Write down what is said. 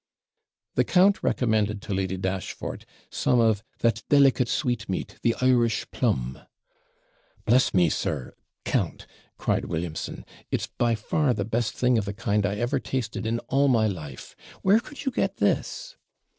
The count recommended to Lady Dashfort some of 'that delicate sweetmeat, the Irish plum.' 'Bless me, sir count!' cried Williamson, 'it's by far the best thing of the kind I ever tasted in all my life: where could you get this?'